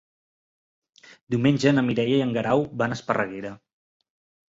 Diumenge na Mireia i en Guerau van a Esparreguera.